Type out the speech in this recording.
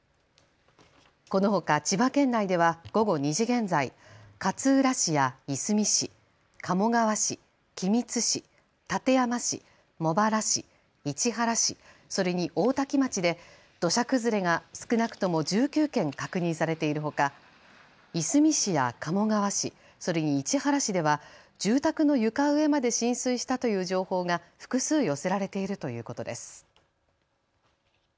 このほか千葉県内では午後２時現在勝浦市やいすみ市鴨川市、君津市、館山市茂原市、市原市それに大多喜町で土砂崩れが少なくとも１９件確認されているほかいすみ市や鴨川市それに市原市では住宅の床上まで浸水したという情報が複数寄せられているということです。